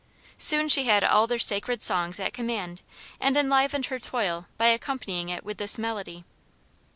Soon she had all their sacred songs at command, and enlivened her toil by accompanying it with this melody.